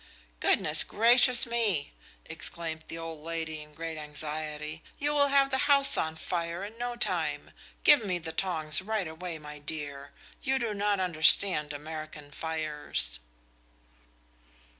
"Goodness gracious me!" exclaimed the old lady in great anxiety, "you will have the house on fire in no time! Give me the tongs right away, my dear. You do not understand American fires!"